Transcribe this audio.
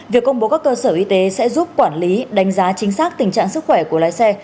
việc công bố các cơ sở y tế sẽ giúp quản lý đánh giá chính xác tình trạng sức khỏe của lái xe